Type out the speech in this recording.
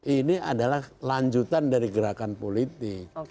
ini adalah lanjutan dari gerakan politik